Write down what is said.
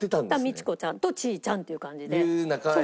美智子ちゃんとちーちゃんっていう感じで。